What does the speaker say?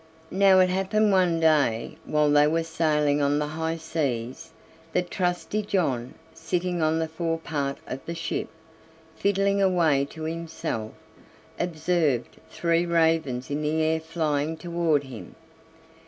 Now it happened one day, while they were sailing on the high seas, that Trusty John, sitting on the forepart of the ship, fiddling away to himself, observed three ravens in the air flying toward him.